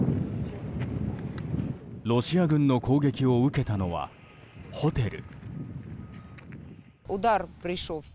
ロシア軍の攻撃を受けたのはホテル。